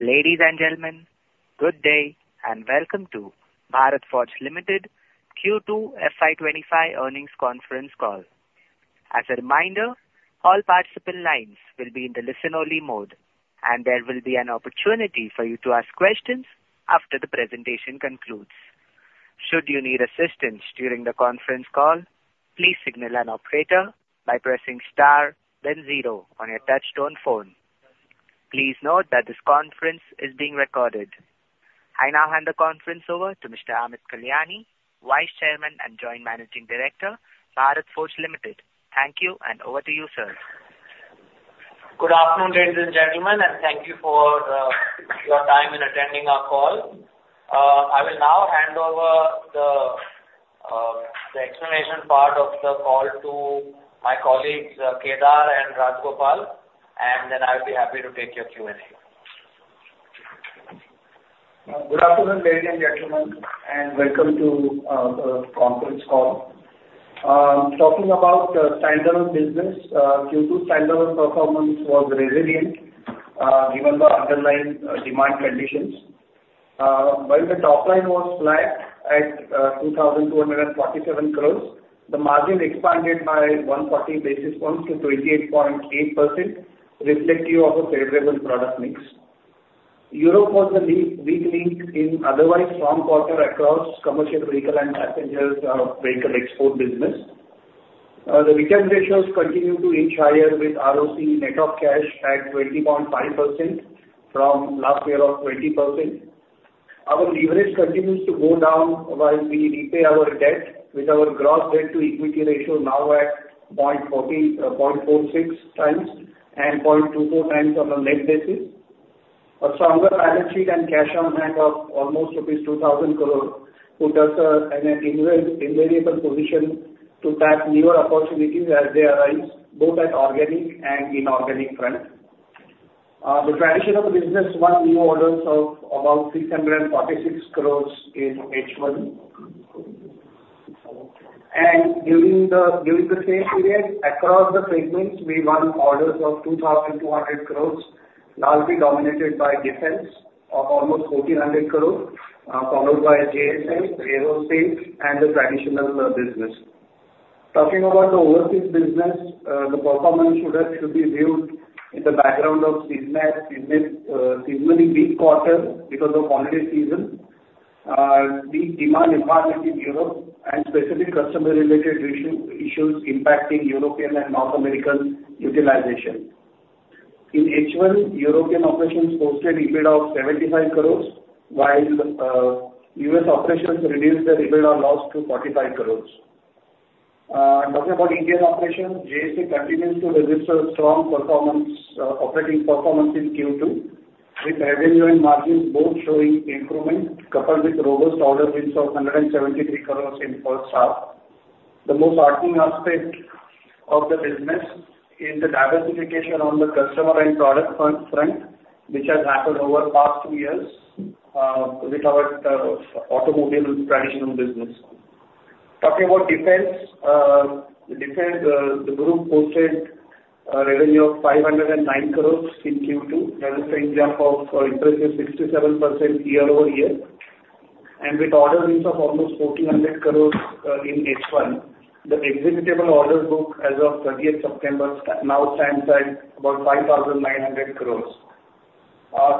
Ladies and gentlemen, good day and welcome to Bharat Forge Limited Q2 FY25 earnings conference call. As a reminder, all participant lines will be in the listen-only mode, and there will be an opportunity for you to ask questions after the presentation concludes. Should you need assistance during the conference call, please signal an operator by pressing star, then zero on your touch-tone phone. Please note that this conference is being recorded. I now hand the conference over to Mr. Amit Kalyani, Vice Chairman and Joint Managing Director, Bharat Forge Limited. Thank you, and over to you, sir. Good afternoon, ladies and gentlemen, and thank you for your time in attending our call. I will now hand over the explanation part of the call to my colleagues, Kedar and Rajagopalan, and then I'll be happy to take your Q&A. Good afternoon, ladies and gentlemen, and welcome to the conference call. Talking about standalone business, Q2 standalone performance was resilient given the underlying demand conditions. When the top line was flat at 2,247 crores, the margin expanded by 140 basis points to 28.8%, reflective of a favorable product mix. Europe was the weak link in otherwise strong quarter across commercial vehicle and passenger vehicle export business. The return ratios continue to inch higher with ROC net of cash at 20.5% from last year of 20%. Our leverage continues to go down while we repay our debt with our gross debt to equity ratio now at 0.46 times and 0.24 times on a net basis. A stronger balance sheet and cash on hand of almost rupees 2,000 put us in an enviable position to tap newer opportunities as they arise, both at organic and inorganic front. The traditional business won new orders of about 646 crores in H1. And during the same period, across the segments, we won orders of 2,200 crores, largely dominated by defense of almost 1,400 crores, followed by JS Auto, Aerospace, and the traditional business. Talking about the overseas business, the performance should be viewed in the background of seasonally weak quarter because of holiday season, weak demand in Europe and specific customer-related issues impacting European and North America utilization. In H1, European operations posted EBITDA of 75 crores, while US operations reduced their EBITDA loss to 45 crores. Talking about Indian operations, JS Auto continues to register strong operating performance in Q2, with revenue and margins both showing improvement, coupled with robust order wins of 173 crores in first half. The most heartening aspect of the business is the diversification on the customer and product front, which has happened over the past two years with our automobile traditional business. Talking about defense, the group posted a revenue of 509 crores in Q2, registering a jump of an impressive 67% year over year. And with order wins of almost 1,400 crores in H1, the executable order book as of 30 September now stands at about 5,900 crores.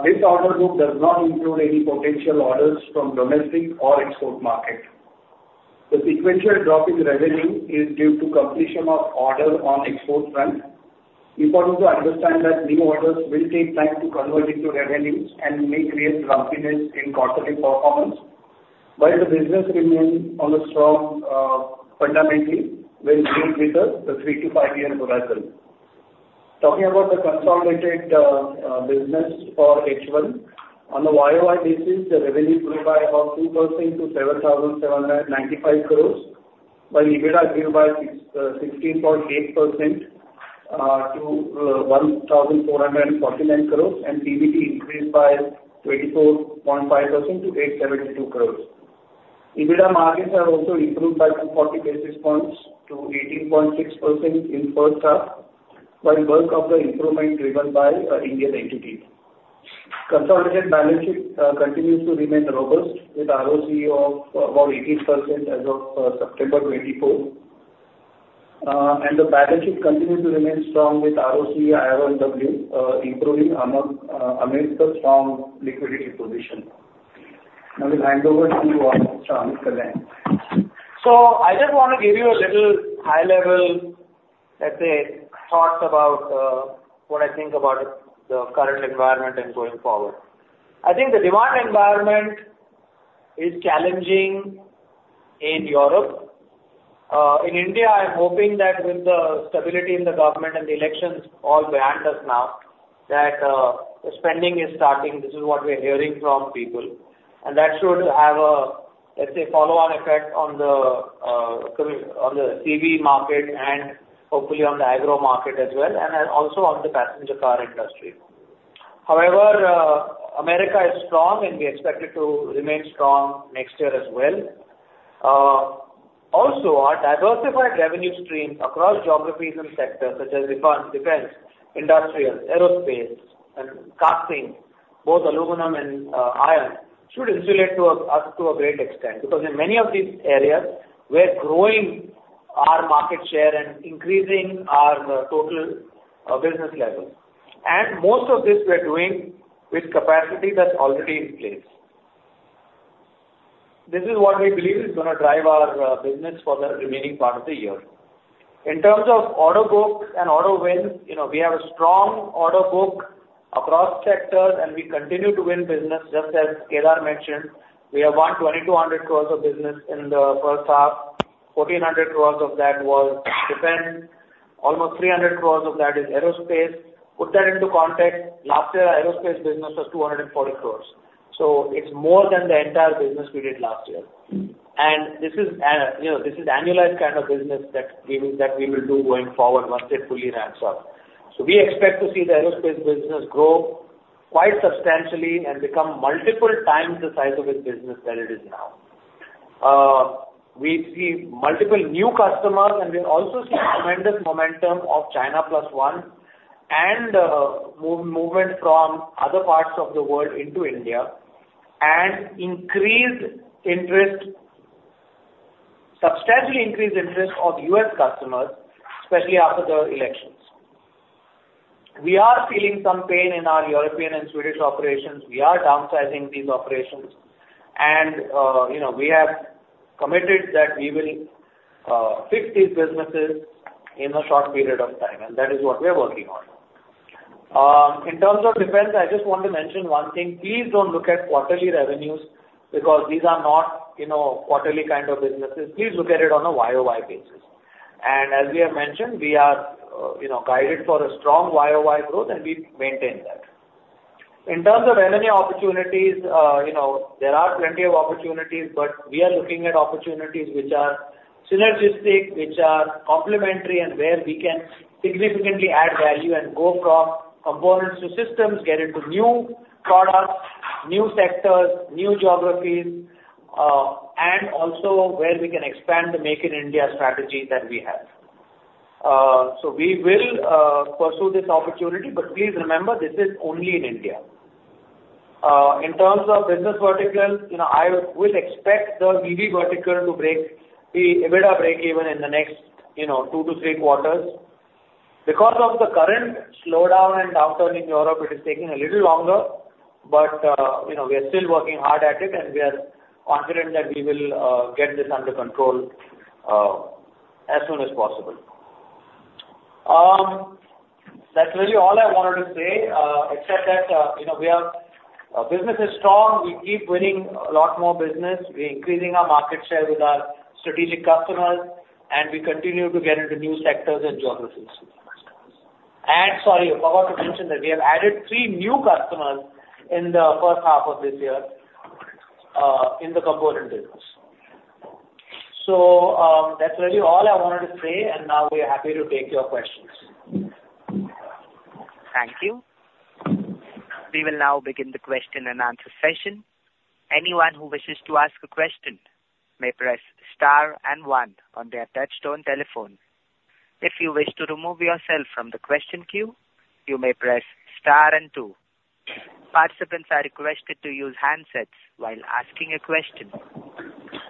This order book does not include any potential orders from the domestic or export market. The sequential drop in revenue is due to completion of orders on the export front. Important to understand that new orders will take time to convert into revenues and may create lumpiness in quarterly performance, while the business remains on a strong footing when viewed with a three- to five-year horizon. Talking about the consolidated business for H1, on a YOY basis, the revenue grew by about 2% to 7,795 crores, while EBITDA grew by 16.8% to 1,449 crores, and PBT increased by 24.5% to 872 crores. EBITDA margins have also improved by 240 basis points to 18.6% in first half, while bulk of the improvement driven by Indian entities. Consolidated balance sheet continues to remain robust, with ROC of about 18% as of September 2024. The balance sheet continues to remain strong with ROC, ROE, and WC improving amidst the strong liquidity position. Now, we'll hand over to Mr. Amit Kalyani. So I just want to give you a little high-level, let's say, thoughts about what I think about the current environment and going forward. I think the demand environment is challenging in Europe. In India, I'm hoping that with the stability in the government and the elections all behind us now, that the spending is starting. This is what we're hearing from people. And that should have a, let's say, follow-on effect on the CV market and hopefully on the agro market as well, and also on the passenger car industry. However, America is strong, and we expect it to remain strong next year as well. Also, our diversified revenue streams across geographies and sectors such as defense, industrial, aerospace, and casting, both aluminum and iron, should insulate us to a great extent because in many of these areas, we're growing our market share and increasing our total business level. Most of this we're doing with capacity that's already in place. This is what we believe is going to drive our business for the remaining part of the year. In terms of order books and order wins, we have a strong order book across sectors, and we continue to win business. Just as Kedar mentioned, we have won 2,200 crores of business in the first half. 1,400 crores of that was defense. Almost 300 crores of that is aerospace. Put that into context, last year, our aerospace business was 240 crores. So it's more than the entire business we did last year. And this is an annualized kind of business that we will do going forward once it fully ramps up. So we expect to see the aerospace business grow quite substantially and become multiple times the size of its business than it is now. We see multiple new customers, and we also see tremendous momentum of China Plus One and movement from other parts of the world into India and increased interest, substantially increased interest of U.S. customers, especially after the elections. We are feeling some pain in our European and Swedish operations. We are downsizing these operations. We have committed that we will fix these businesses in a short period of time. That is what we're working on. In terms of defense, I just want to mention one thing. Please don't look at quarterly revenues because these are not quarterly kind of businesses. Please look at it on a YOY basis. As we have mentioned, we are guided for a strong YOY growth, and we maintain that. In terms of revenue opportunities, there are plenty of opportunities, but we are looking at opportunities which are synergistic, which are complementary, and where we can significantly add value and go from components to systems, get into new products, new sectors, new geographies, and also where we can expand the Make in India strategy that we have. So we will pursue this opportunity, but please remember, this is only in India. In terms of business verticals, I would expect the EV vertical to break the EBITDA break-even in the next two to three quarters. Because of the current slowdown and downturn in Europe, it is taking a little longer, but we are still working hard at it, and we are confident that we will get this under control as soon as possible. That's really all I wanted to say, except that our business is strong. We keep winning a lot more business. We are increasing our market share with our strategic customers, and we continue to get into new sectors and geographies. And sorry, I forgot to mention that we have added three new customers in the first half of this year in the component business. So that's really all I wanted to say, and now we are happy to take your questions. Thank you. We will now begin the question and answer session. Anyone who wishes to ask a question may press star and one on their touch-tone telephone. If you wish to remove yourself from the question queue, you may press * and 2. Participants are requested to use handsets while asking a question.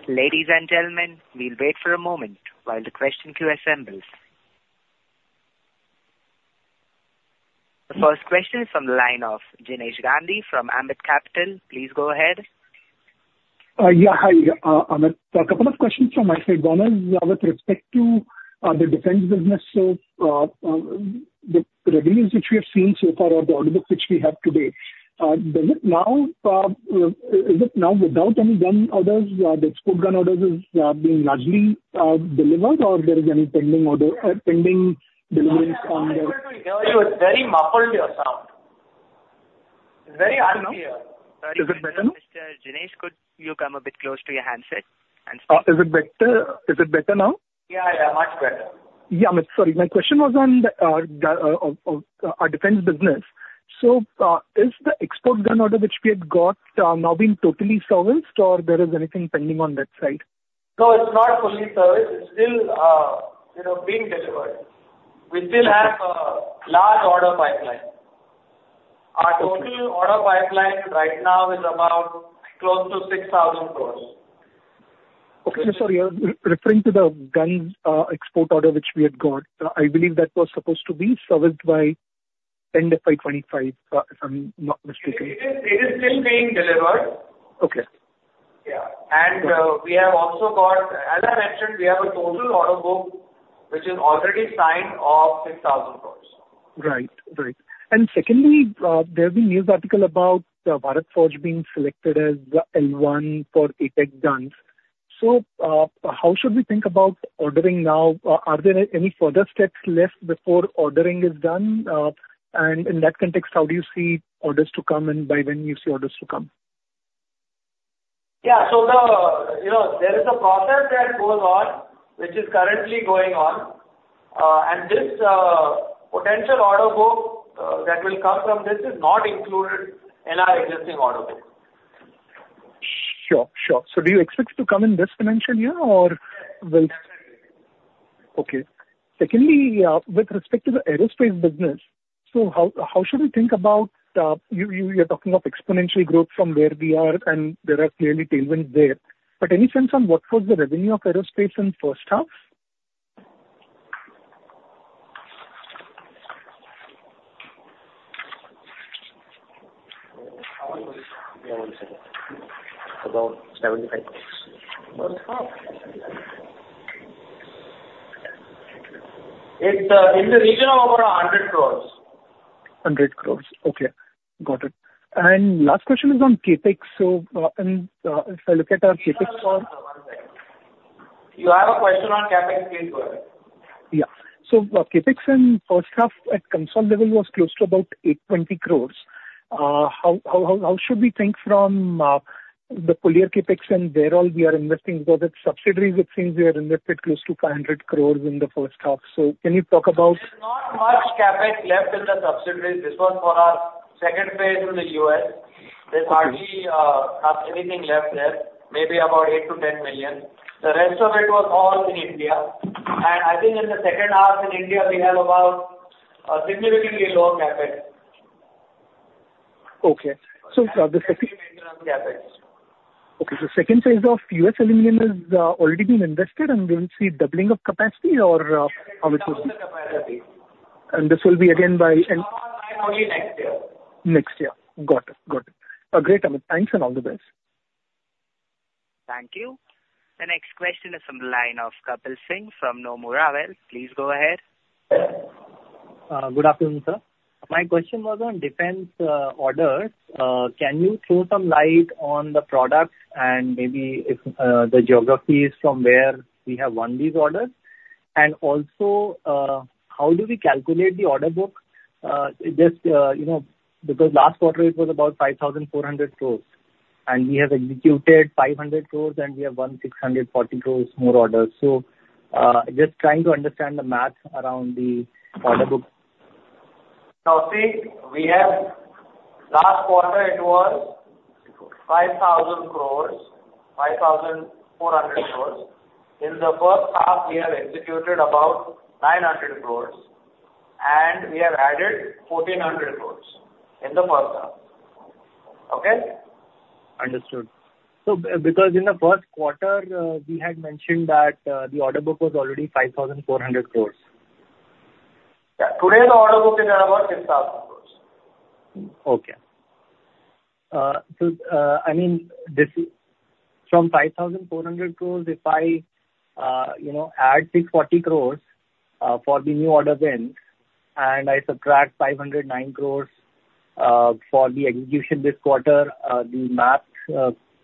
Ladies and gentlemen, we'll wait for a moment while the question queue assembles. The first question is from the line of Jinesh Gandhi from Ambit Capital. Please go ahead. Yeah, hi. A couple of questions from my side. One is with respect to the defense business. So the revenues which we have seen so far or the order books which we have today, is it now without any gun orders, the export gun orders being largely delivered, or there is any pending delivery on the? I'm sorry to tell you, it's very muffled, your sound. It's very unclear. Is it better now? Mr. Dinesh, could you come a bit close to your handset and speak? Is it better now? Yeah, yeah, much better. Yeah, sorry. My question was on our defense business. So is the export gun order which we have got now being totally serviced, or there is anything pending on that side? No, it's not fully serviced. It's still being delivered. We still have a large order pipeline. Our total order pipeline right now is about close to 6,000 crores. Okay, sorry. Referring to the guns export order which we had got, I believe that was supposed to be serviced by end of 2025, if I'm not mistaken. It is still being delivered. Okay. We have also got, as I mentioned, we have a total order book which is already signed of 6,000 crores. Right, right. And secondly, there's been news articles about Bharat Forge being selected as L1 for ATAGS guns. So how should we think about ordering now? Are there any further steps left before ordering is done? And in that context, how do you see orders to come, and by when do you see orders to come? Yeah, so there is a process that goes on, which is currently going on, and this potential order book that will come from this is not included in our existing order book. Sure, sure. So do you expect it to come in this financial year, or will? Definitely. Okay. Secondly, with respect to the aerospace business, so how should we think about? You're talking of exponential growth from where we are, and there are clearly tailwinds there. But any sense on what was the revenue of aerospace in first half? Yeah, one second. About INR 75 crores. First half? In the region of about 100 crores. 100 crores. Okay. Got it. And last question is on CapEx. So if I look at our CapEx. You have a question on CapEx, please go ahead. Yeah. So CapEx in first half at consolidated level was close to about 820 crores. How should we think about the color on CapEx and where all we are investing? Because its subsidiaries, it seems we are invested close to 500 crores in the first half. So can you talk about? There's not much CapEx left in the subsidiaries. This was for our second phase in the U.S. There's hardly anything left there, maybe about 8-10 million. The rest of it was all in India. I think in the second half in India, we have about a significantly lower CapEx. Okay. So the second. Sustenance CapEx. Okay. The second phase of U.S. aluminum has already been invested, and we will see doubling of capacity or how it will be? Double the capacity. And this will be again by. Probably next year. Next year. Got it. Got it. Great. Thanks and all the best. Thank you. The next question is from the line of Kapil Singh from Nomura. Please go ahead. Good afternoon, sir. My question was on defense orders. Can you throw some light on the products and maybe the geographies from where we have won these orders? And also, how do we calculate the order book? Because last quarter, it was about 5,400 crores. And we have executed 500 crores, and we have won 640 crores more orders. So just trying to understand the math around the order book. Now, see, last quarter, it was 5,000 crores, 5,400 crores. In the first half, we have executed about 900 crores, and we have added 1,400 crores in the first half. Okay? Understood. So because in the first quarter, we had mentioned that the order book was already 5,400 crores. Yeah. Today, the order book is at about INR 6,000 crores. Okay. So I mean, from 5,400 crores, if I add 640 crores for the new order bins, and I subtract 509 crores for the execution this quarter, the math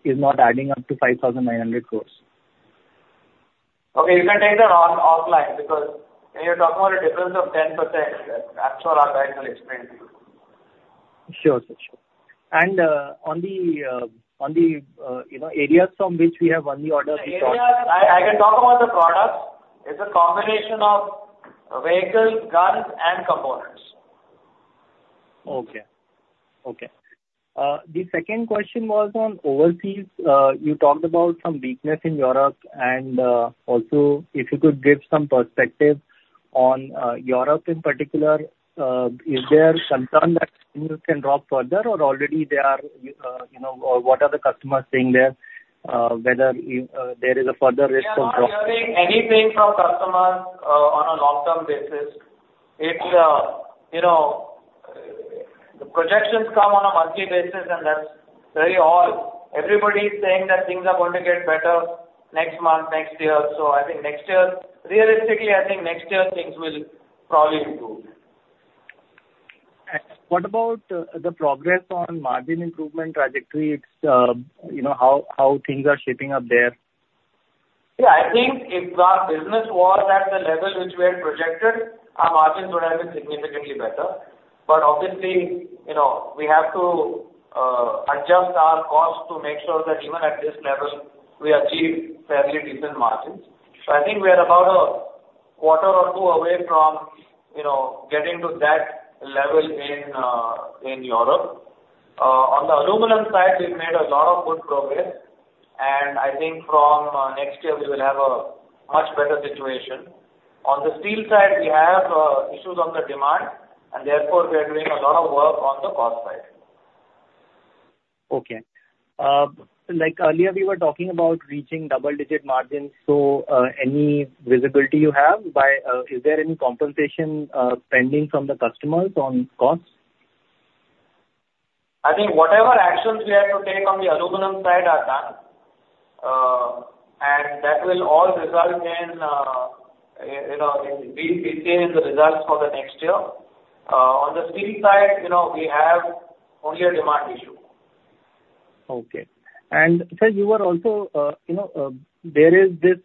is not adding up to 5,900 crores. Okay. You can take that offline because when you're talking about a difference of 10%, I'm sure our guys will explain to you. Sure, sir. And on the areas from which we have won the order, we thought. Areas? I can talk about the products. It's a combination of vehicles, guns, and components. Okay. Okay. The second question was on overseas. You talked about some weakness in Europe. And also, if you could give some perspective on Europe in particular, is there concern that things can drop further, or already they are, or what are the customers saying there, whether there is a further risk of drop? I'm not hearing anything from customers on a long-term basis. The projections come on a monthly basis, and that's all. Everybody is saying that things are going to get better next month, next year. So I think next year, realistically, I think next year, things will probably improve. What about the progress on margin improvement trajectory, how things are shaping up there? Yeah. I think if our business was at the level which we had projected, our margins would have been significantly better, but obviously, we have to adjust our costs to make sure that even at this level, we achieve fairly decent margins. I think we are about a quarter or two away from getting to that level in Europe. On the aluminum side, we've made a lot of good progress, and I think from next year, we will have a much better situation. On the steel side, we have issues on the demand, and therefore, we are doing a lot of work on the cost side. Okay. Like earlier, we were talking about reaching double-digit margins. So any visibility you have? Is there any compensation pending from the customers on costs? I think whatever actions we have to take on the aluminum side are done, and that will all result in we'll see in the results for the next year. On the steel side, we have only a demand issue. Okay. And sir, you were also hearing this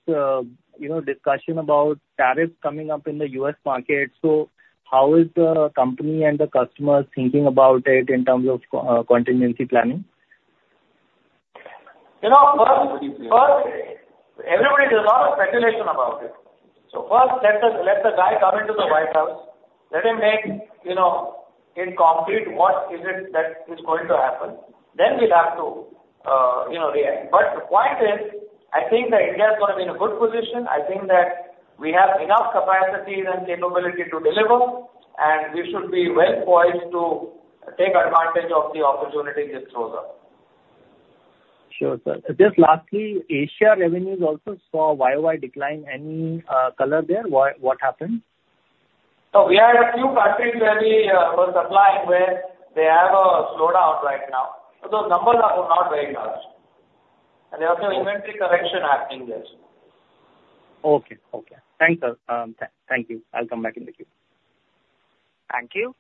discussion about tariffs coming up in the U.S. market. So how is the company and the customers thinking about it in terms of contingency planning? First, everybody does a lot of speculation about it. So first, let the guy come into the White House. Let him make it concrete what is it that is going to happen. Then we'll have to react. But the point is, I think that India is going to be in a good position. I think that we have enough capacity and capability to deliver, and we should be well poised to take advantage of the opportunity this shows up. Sure. Just lastly, Asia revenues also saw YoY decline. Any color there? What happened? So we had a few countries where we were supplying where they have a slowdown right now. So those numbers are not very large. And there was no inventory correction happening there. Okay. Okay. Thank you. I'll come back in the queue. Thank you.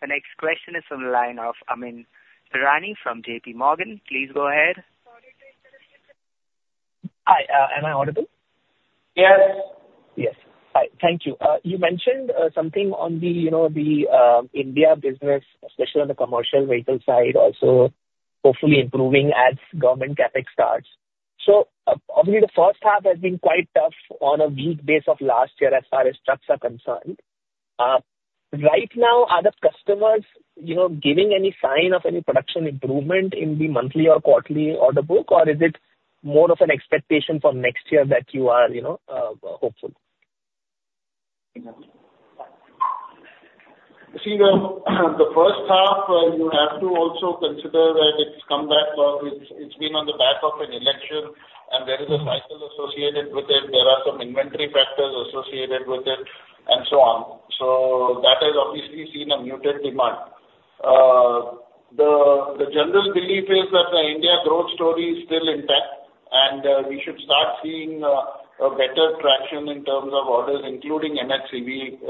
The next question is from the line of Amyn Pirani from J.P. Morgan. Please go ahead. Hi. Am I audible? Yes. Yes. Thank you. You mentioned something on the India business, especially on the commercial vehicle side, also hopefully improving as government KPEX starts. So obviously, the first half has been quite tough on a weak base of last year as far as trucks are concerned. Right now, are the customers giving any sign of any production improvement in the monthly or quarterly order book, or is it more of an expectation for next year that you are hopeful? See, the first half, you have to also consider that it's come back because it's been on the back of an election, and there is a cycle associated with it. There are some inventory factors associated with it and so on. So that has obviously seen a muted demand. The general belief is that the India growth story is still intact, and we should start seeing a better traction in terms of orders, including M&HCV.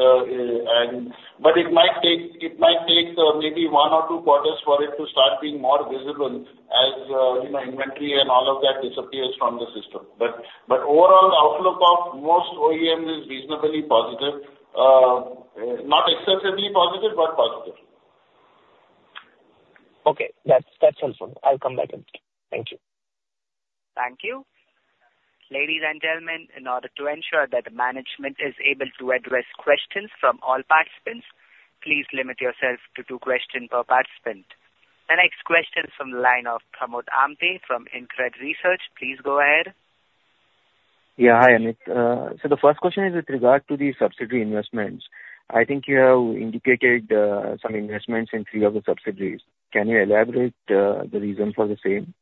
But it might take maybe one or two quarters for it to start being more visible as inventory and all of that disappears from the system. But overall, the outlook of most OEMs is reasonably positive. Not excessively positive, but positive. Okay. That's helpful. I'll come back in. Thank you. Thank you. Ladies and gentlemen, in order to ensure that management is able to address questions from all participants, please limit yourself to two questions per participant. The next question is from the line of Pramod Amthe from InCred Research. Please go ahead. Yeah. Hi, Amit. So the first question is with regard to the subsidiary investments. I think you have indicated some investments in three of the subsidiaries. Can you elaborate the reason for the same?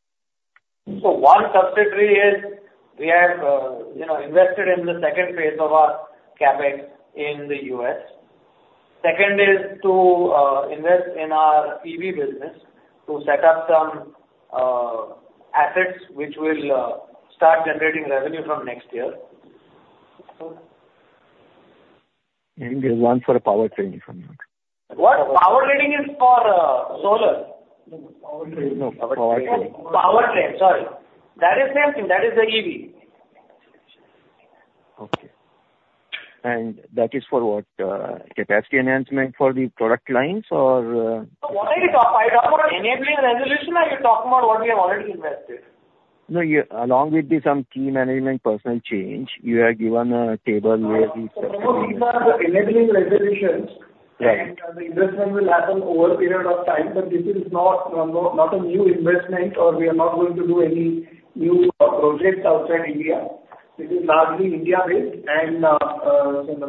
So, one subsidiary is we have invested in the second phase of our CapEx in the U.S. Second is to invest in our EV business to set up some assets which will start generating revenue from next year. There's one for a power train from your. What? Power trading is for solar. No, power train. Power train. Sorry. That is the same thing. That is the EV. Okay. And that is for what? Capacity enhancement for the product lines or? So what are you talking about? Are you talking about enabling resolution or are you talking about what we have already invested? No, along with some key management personnel change, you have given a table where we. No, these are the enabling resolutions. Right. The investment will happen over a period of time. This is not a new investment, or we are not going to do any new projects outside India. This is largely India-based and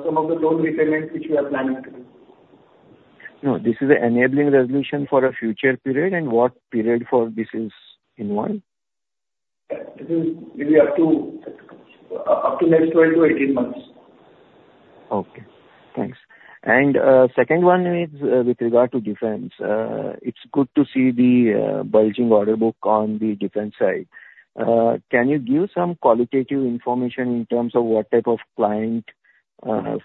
some of the loan repayments which we are planning to do. No, this is an enabling resolution for a future period, and what period for this is involved? This is maybe up to next 12-18 months. Okay. Thanks. And second one is with regard to defense. It's good to see the bulging order book on the defense side. Can you give some qualitative information in terms of what type of client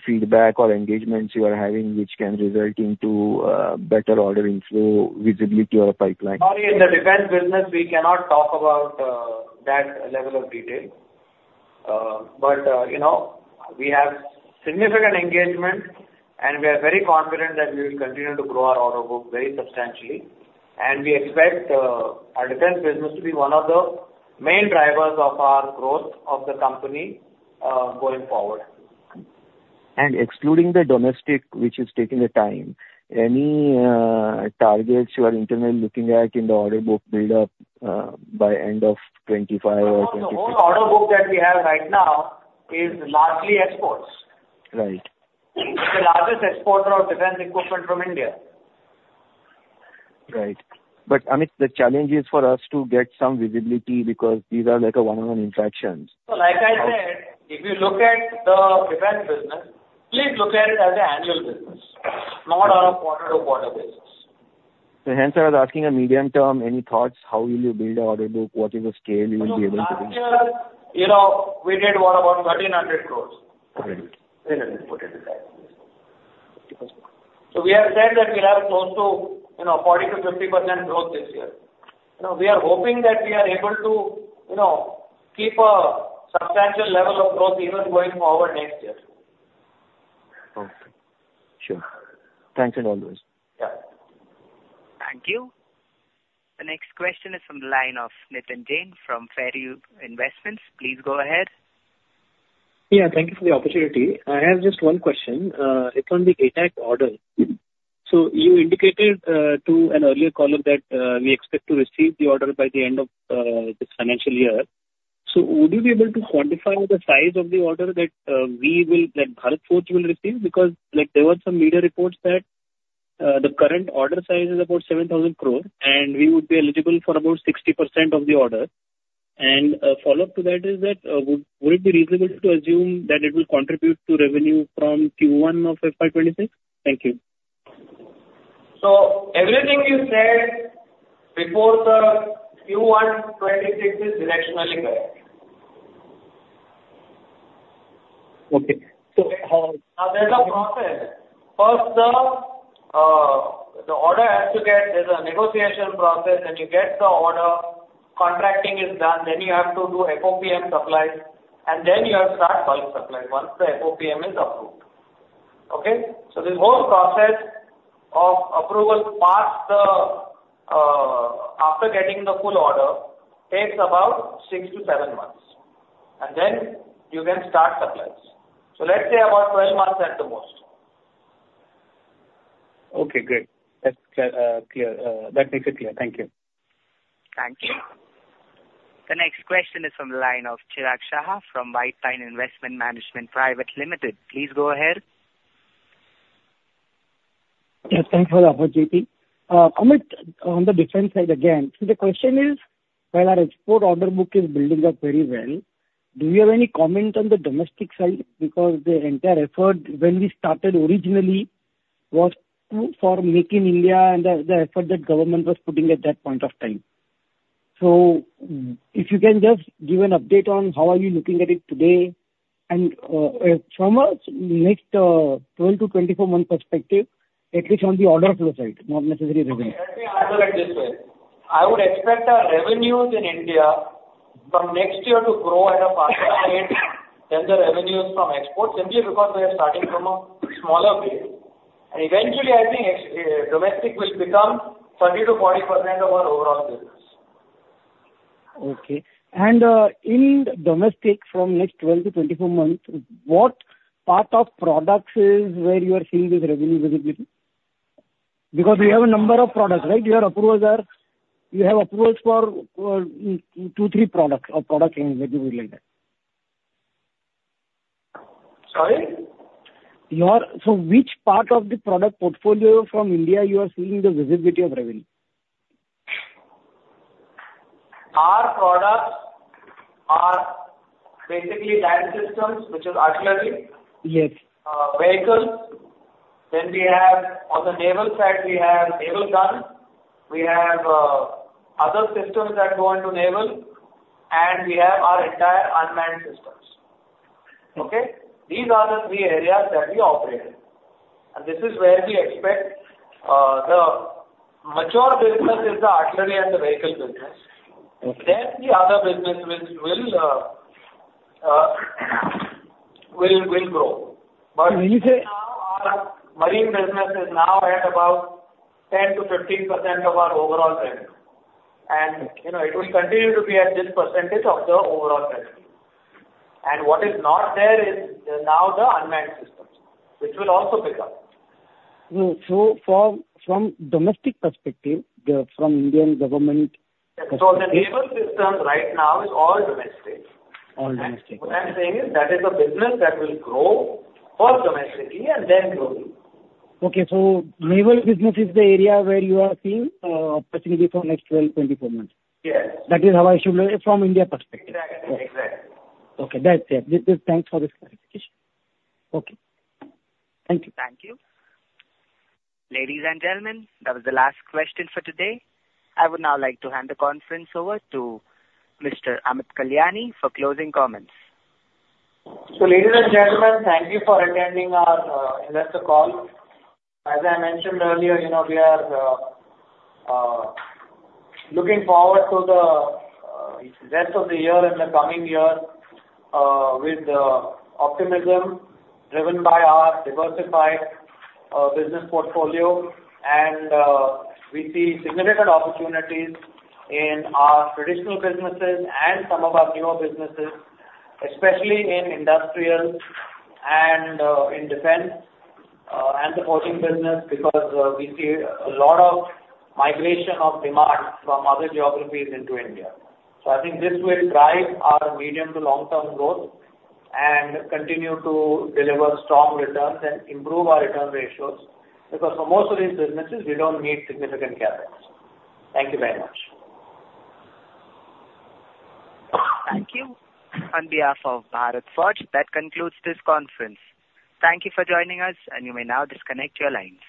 feedback or engagements you are having which can result in better order inflow, visibility, or pipeline? Sorry, in the defense business, we cannot talk about that level of detail. But we have significant engagement, and we are very confident that we will continue to grow our order book very substantially, and we expect our defense business to be one of the main drivers of our growth of the company going forward. Excluding the domestic which is taking the time, any targets you are internally looking at in the order book build-up by end of 2025 or 2026? The whole order book that we have right now is largely exports. Right. It's the largest exporter of defense equipment from India. Right. But I mean, the challenge is for us to get some visibility because these are like one-on-one interactions. So like I said, if you look at the defense business, please look at it as an annual business, not a quarter-to-quarter basis. So hence, I was asking a medium term, any thoughts? How will you build an order book? What is the scale you will be able to reach? Last year, we did about 1,300 crores. Right. So we have said that we have close to 40%-50% growth this year. We are hoping that we are able to keep a substantial level of growth even going forward next year. Okay. Sure. Thanks a lot, guys. Yeah. Thank you. The next question is from the line of Nitin Jain from Fairview Investments. Please go ahead. Yeah. Thank you for the opportunity. I have just one question. It's on the ATAGS order. So you indicated to an earlier caller that we expect to receive the order by the end of this financial year. So would you be able to quantify the size of the order that Bharat Forge will receive? Because there were some media reports that the current order size is about 7,000 crore, and we would be eligible for about 60% of the order. And a follow-up to that is that would it be reasonable to assume that it will contribute to revenue from Q1 of FY26? Thank you. So everything you said before the Q126 is directionally correct. Okay. So. Now, there's a process. First, the order has to get. There's a negotiation process. When you get the order, contracting is done. Then you have to do FOPM supplies. And then you have to start bulk supplies once the FOPM is approved. Okay? So this whole process of approval after getting the full order takes about six to seven months. And then you can start supplies. So let's say about 12 months at the most. Okay. Great. That's clear. That makes it clear. Thank you. Thank you. The next question is from the line of Chirag Shah from White Pine Investment Management Private Limited. Please go ahead. Yes. Thanks for the opportunity. Amit, on the defense side again, so the question is, while our export order book is building up very well, do you have any comment on the domestic side? Because the entire effort when we started originally was for Make in India and the effort that government was putting at that point of time. So if you can just give an update on how are you looking at it today and from a next 12- to 24-month perspective, at least on the order flow side, not necessarily revenue? Let me answer it this way. I would expect our revenues in India from next year to grow at a faster rate than the revenues from export simply because we are starting from a smaller base, and eventually, I think domestic will become 30%-40% of our overall business. Okay. And in domestic from next 12-24 months, what part of products is where you are seeing this revenue visibility? Because we have a number of products, right? Your approvals are you have approvals for two, three products or product lines that you would like that. Sorry? So which part of the product portfolio from India you are seeing the visibility of revenue? Our products are basically land systems, which is artillery, vehicles, then we have on the naval side, we have naval guns. We have other systems that go into naval, and we have our entire unmanned systems. Okay? These are the three areas that we operate in, and this is where we expect the mature business is the artillery and the vehicle business, then the other business will grow, but our marine business is now at about 10%-15% of our overall revenue, and it will continue to be at this percentage of the overall revenue, and what is not there is now the unmanned systems, which will also pick up. So from domestic perspective, from Indian government. The naval system right now is all domestic. All domestic. What I'm saying is that is a business that will grow first domestically and then globally. Okay. So naval business is the area where you are seeing opportunity for next 12-24 months. Yes. That is how I should look at it from India perspective. Exactly. Exactly. Okay. That's it. Thanks for this clarification. Okay. Thank you. Thank you. Ladies and gentlemen, that was the last question for today. I would now like to hand the conference over to Mr. Amit Kalyani for closing comments. So ladies and gentlemen, thank you for attending our investor call. As I mentioned earlier, we are looking forward to the rest of the year and the coming year with optimism driven by our diversified business portfolio. And we see significant opportunities in our traditional businesses and some of our newer businesses, especially in industrial and in defense and the forging business because we see a lot of migration of demand from other geographies into India. So I think this will drive our medium to long-term growth and continue to deliver strong returns and improve our return ratios because for most of these businesses, we don't need significant CapEx. Thank you very much. Thank you. On behalf of Bharat Forge, that concludes this conference. Thank you for joining us, and you may now disconnect your lines.